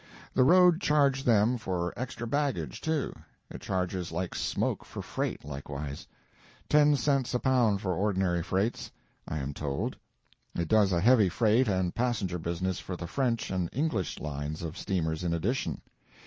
The road charged them for extra baggage, too. It charges like smoke for freight, likewise. Ten cents a pound for ordinary freights, I am told. It does a heavy freight and passenger business for the French and English lines of steamers in addition.